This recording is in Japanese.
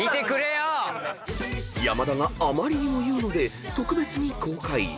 ［山田があまりにも言うので特別に公開］